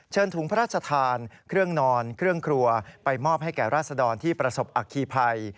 ถุงพระราชทานเครื่องนอนเครื่องครัวไปมอบให้แก่ราศดรที่ประสบอัคคีภัย